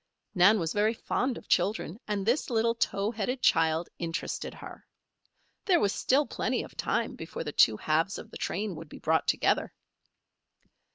Nan was very fond of children and this little towheaded child interested her. There was still plenty of time before the two halves of the train would be brought together.